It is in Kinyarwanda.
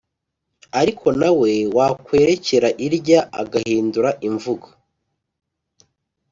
ariko nawe wakwerekera irya agahindura imvugo,